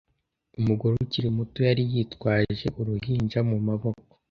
Umugore ukiri muto yari yitwaje uruhinja mu maboko.